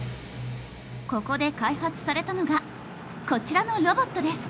ここで開発されたのがこちらのロボットです。